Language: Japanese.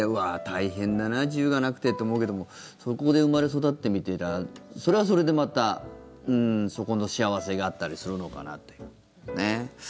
大変だな、自由がなくてって思うけどもそこで生まれ育って見ていたらそれはそれでまた、そこの幸せがあったりするのかなという。